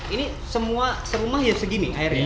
ini semua serumah ya segini airnya